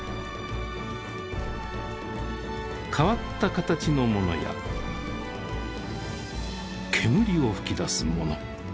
変わった形のものや煙を噴き出すもの。